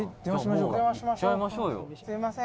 「すみません」